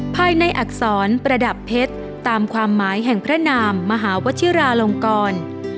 ภายในอักษรประดับเพชรตามความหมายแห่งพระนามมหาวชิราลงกร